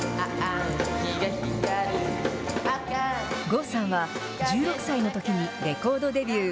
郷さんは、１６歳のときにレコードデビュー。